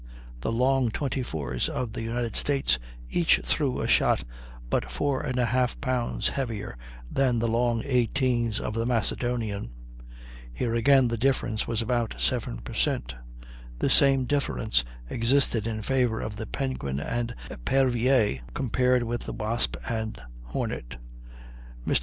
The long 24's of the United States each threw a shot but 4 1/4 pounds heavier than the long 18's of the Macedonian; here again the difference was about 7 per cent. The same difference existed in favor of the Penguin and Epervier compared with the Wasp and Hornet. Mr.